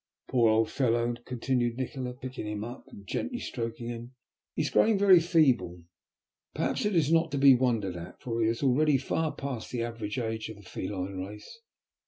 "Poor old fellow," continued Nikola, picking him up and gently stroking him, "he is growing very feeble. Perhaps it is not to be wondered at, for he is already far past the average age of the feline race.